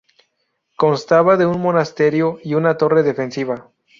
Constaba de un monasterio y una torre defensiva.